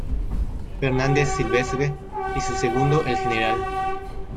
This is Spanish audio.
Fernández Silvestre y su segundo, el Gral.